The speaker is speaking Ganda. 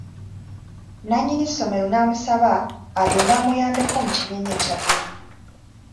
Nannyini ssomero n’amusaba agende amuyambeko mu kibiina ekya 'baby'.